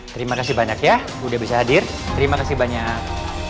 terima kasih banyak ya sudah bisa hadir terima kasih banyak